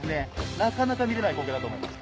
なかなか見れない光景だと思います。